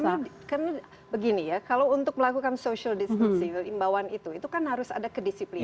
ya ini karena karena begini ya kalau untuk melakukan social distancing atau imbauan itu kan harus ada kedisiplinan